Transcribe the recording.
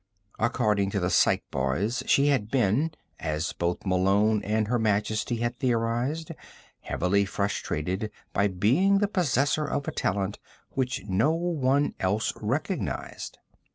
According to the psych boys, she had been as both Malone and Her Majesty had theorized heavily frustrated by being the possessor of a talent which no one else recognized.